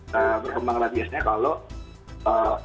dan berkembang radyasnya kalau